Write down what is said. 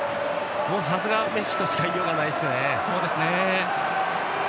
さすがメッシとしか言いようがないですね。